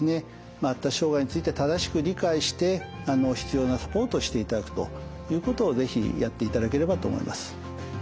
発達障害について正しく理解して必要なサポートをしていただくということを是非やっていただければと思います。